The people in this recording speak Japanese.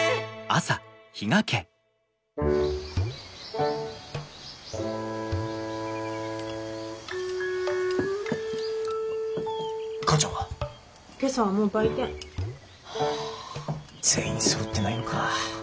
あ全員そろってないのか。